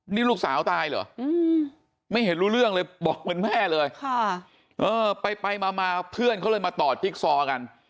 นี่ลูกสาวตายเหรอไม่เห็นรู้เรื่องเลยบอกเหมือนแม่เลยไปมาเพื่อนเขาเลยมาต่อจิ๊กซอกัน